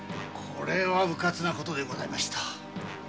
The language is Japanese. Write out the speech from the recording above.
これはウカツなことでございました。